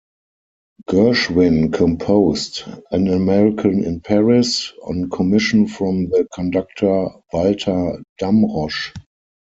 Gershwin composed "An American in Paris" on commission from the conductor Walter Damrosch.